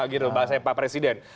gitu bahasanya pak presiden